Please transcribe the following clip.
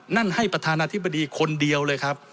นั่นให้ประธานาธิบดีคนเดียวเลยครับ